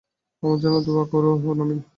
আমার জন্য দোয়া করো ওহ, নাভিন।